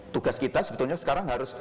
tugas kita sebetulnya sekarang harus